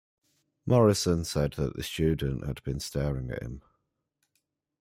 Morrison said that the student had been staring at him.